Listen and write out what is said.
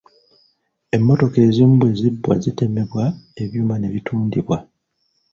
Emmotoka ezimu ezibbwa zitemebwa ebyuma ne bitundibwa.